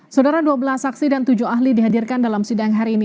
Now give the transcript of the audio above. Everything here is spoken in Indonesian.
saudara dua belas saksi dan tujuh ahli dihadirkan dalam sidang hari ini